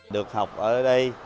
được học ở đây